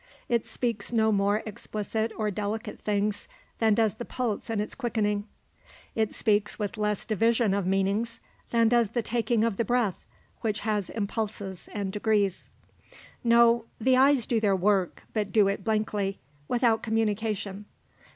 It speaks no more explicit or delicate things than does the pulse in its quickening. It speaks with less division of meanings than does the taking of the breath, which has impulses and degrees. No, the eyes do their work, but do it blankly, without communication.